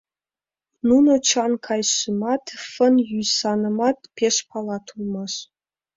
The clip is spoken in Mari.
Нуно Чан-Кайшимат, Фын-Йӱйсанымат пеш палат улмаш.